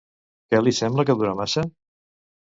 Què li sembla que dura massa?